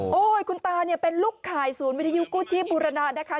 คุณตาเนี่ยเป็นลูกข่ายศูนย์วิทยุกู้ชีพบุรณะนะคะ